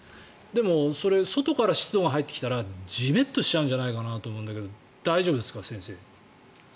でも、外から湿度が入ってきたらじめっとしちゃうんじゃないかなと思うんだけど先生、大丈夫ですか？